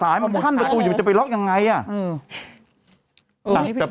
สายมันคั่นประตูอยู่จะไปล็อกอย่างไร